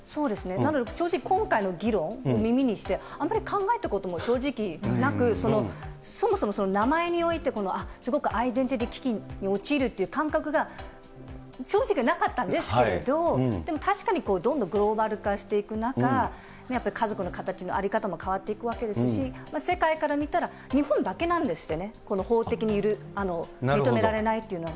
なので正直今回の議論を耳にして、あんまり考えたことも正直なく、そもそも名前においてすごくアイデンティティ危機に陥るっていう感覚が正直なかったんですけれど、でも確かにどんどんグローバル化していく中、やっぱり家族の形の在り方も変わっていくわけですし、世界から見たら、日本だけなんですってね、法的に認められないっていうのは。